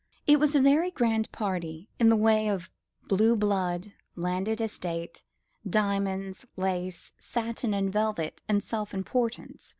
"It was a very grand party, in the way of blue blood, landed estate, diamonds, lace, satin and velvet, and self importance.